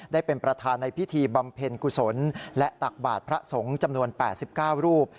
ได้เป็นประธานในพิธีบำเพ็ญกุศลและตักบาทพระสงฆ์จำนวน๘๙รูป